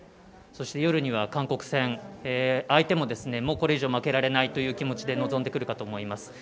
そして、夜には韓国戦相手も、もうこれ以上負けられないという気持ちで臨んでくるかと思います。